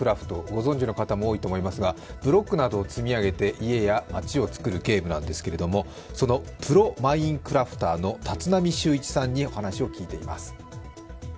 ご存じの方も多いと思いますがブロックなどを積み上げて家や街を作るゲームですけどそのプロマインクラフターのタツナミシュウイチさんにお話を伺っています。